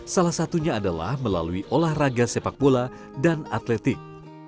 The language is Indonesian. salah satunya adalah melalui olahraga sepak bola dan atletik